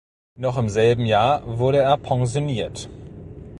Noch im selben Jahr wurde er pensioniert.